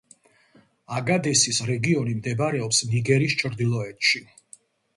აგადესის რეგიონი მდებარეობს ნიგერის ჩრდილოეთში.